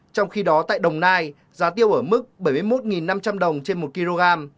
trong khi đó tại đồng nai giá tiêu ở mức bảy mươi một năm trăm linh đồng trên một kg